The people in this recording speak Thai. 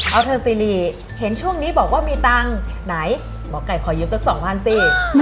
เอาเถอะซีรีเห็นช่วงนี้บอกว่ามีตังค์ไหนหมอไก่ขอยืมสักสองพันสิ